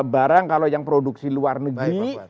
barang yang kalau produksi luar negeri